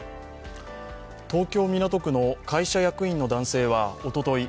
東京・港区の会社役員の男性はおととい